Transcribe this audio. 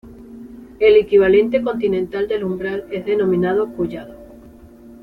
El equivalente continental del umbral es denominado collado.